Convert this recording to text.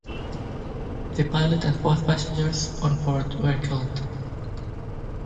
The pilot and both passengers on board were killed.